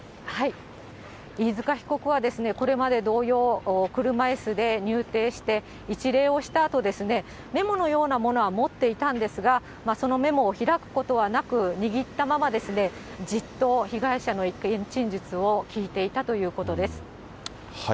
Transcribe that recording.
飯塚被告はこれまで同様、車いすで入廷して、一礼をしたあと、メモのようなものは持っていたんですが、そのメモを開くことはなく、握ったまま、じっと被害者の意見陳述を聞いていたということです。